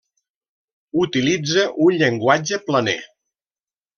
Utilitza un llenguatge planer.